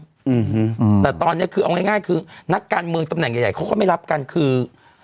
อืมแต่ตอนเนี้ยคือเอาง่ายง่ายคือนักการเมืองตำแหน่งใหญ่ใหญ่เขาก็ไม่รับกันคือ